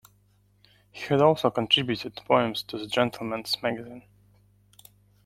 He had also contributed poems to the "Gentleman's Magazine".